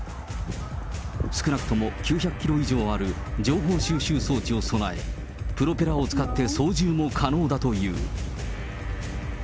少なくとも９００キロ以上ある情報収集装置を備え、プロペラを使って操縦も可能だという。